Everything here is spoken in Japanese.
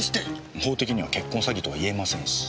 法的には結婚詐欺とはいえませんし。